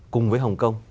cùng với hồng kông